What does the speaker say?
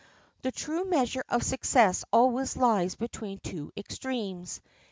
The true measure of success always lies between two extremes.